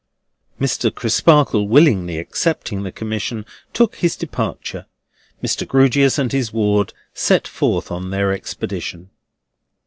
Mr. Crisparkle, willingly accepting the commission, took his departure; Mr. Grewgious and his ward set forth on their expedition.